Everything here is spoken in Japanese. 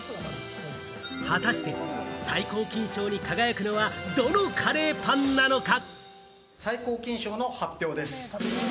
果たして最高金賞に輝くのはどのカレーパンなのか？